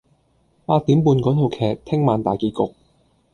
八點半嗰套劇聽晚大結局